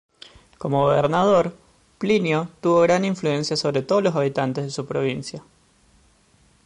Como gobernador, Plinio tuvo gran influencia sobre todos los habitantes de su provincia.